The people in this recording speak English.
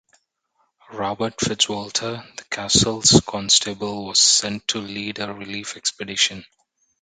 Robert FitzWalter, the castle's constable, was sent to lead a relief expedition.